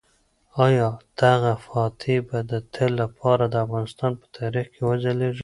آیا دغه فاتح به د تل لپاره د افغانستان په تاریخ کې وځلیږي؟